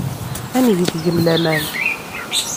Ad neg deg-m laman.